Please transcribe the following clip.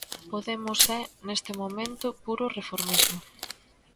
Podemos é, neste momento, puro reformismo.